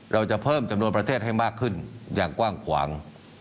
เราจะเพิ่มจำนวนประเทศให้มากขึ้นอย่างกว้างขวาง